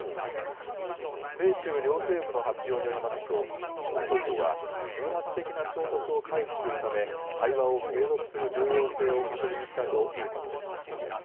米中両政府の発表によりますと、双方は、偶発的な衝突を回避するため、対話を継続する重要性を確認したということです。